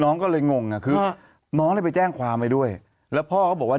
พ่อบอกว่าทางน้องยึดคุณพ่ออย่างเดี๋ยวเท่านั้นว่าคนละเรื่องเลย